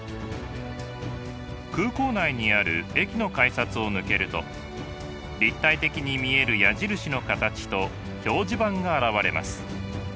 空港内にある駅の改札を抜けると立体的に見える矢印の形と表示板が現れます。